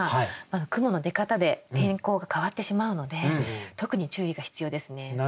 雲の出方で天候が変わってしまうので特に注意が必要ですね。